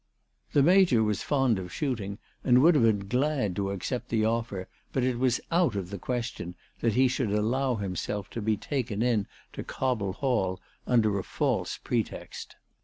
The Major was fond of shooting, and would have been glad to accept the offer; but it was out of the question that he should allow himself to be taken in 378 ALICE DTJGDALE. at Cobble Hall under a false pretext.